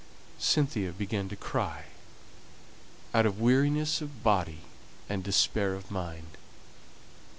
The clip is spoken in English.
Cynthia began to cry, out of weariness of body and despair of mind.